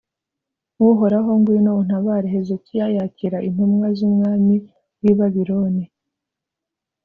Uhoraho, ngwino untabare, Hezekiya yakira intumwa z’umwami w’i Babiloni